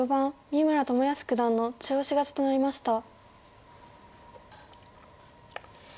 三村智保九段の中押し勝ちとなりました。